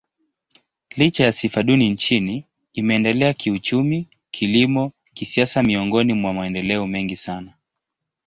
Licha ya sifa duni nchini, imeendelea kiuchumi, kilimo, kisiasa miongoni mwa maendeleo mengi sana.